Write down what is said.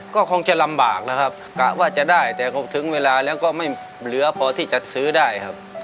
ก็คงจะลำบากนะครับกะว่าจะได้แต่ก็ถึงเวลาแล้วก็ไม่เหลือพอที่จะซื้อได้ครับ